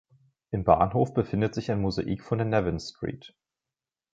Im Bahnhof befindet sich ein Mosaik von der „Nevins St.“.